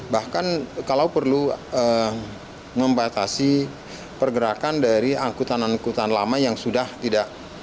bahkan kalau perlu membatasi pergerakan dari angkutan angkutan lama yang sudah tidak